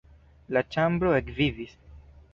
La ĉambro ekvivis.